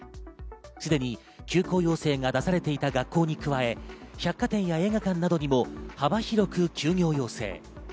すでに休校要請が出されていた学校に加え、百貨店や映画館などにも幅広く休業要請。